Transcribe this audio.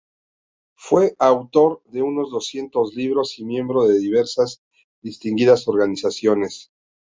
Fue autor de unos doscientos libros y miembro de diversas y distinguidas organizaciones.